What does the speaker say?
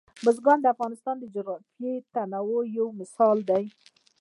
بزګان د افغانستان د جغرافیوي تنوع یو مثال دی.